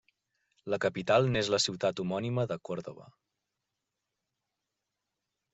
La capital n'és la ciutat homònima de Córdoba.